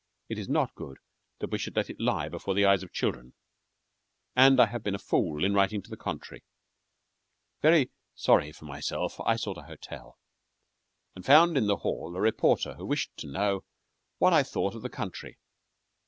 It is not good that we should let it lie before the eyes of children, and I have been a fool in writing to the contrary. Very sorry for myself, I sought a hotel, and found in the hall a reporter who wished to know what I thought of the country.